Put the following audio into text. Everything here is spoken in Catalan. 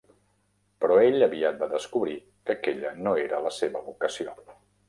Però ell aviat va descobrir que aquella no era la seva vocació.